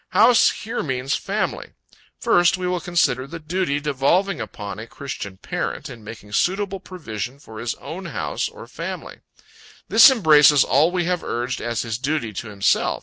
House here means family. First, we will consider the duty devolving upon a christian parent, in making suitable provision for his own house, or family. This embraces all we have urged as his duty to himself.